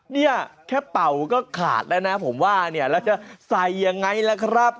เนี่ยแค่เป่าก็ขาดแล้วนะผมว่าเนี่ยแล้วจะใส่ยังไงล่ะครับ